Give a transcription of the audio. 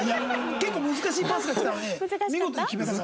結構難しいパスがきたのに見事に決めたから。